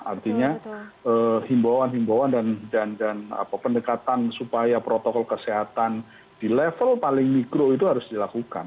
artinya himbauan himbauan dan pendekatan supaya protokol kesehatan di level paling mikro itu harus dilakukan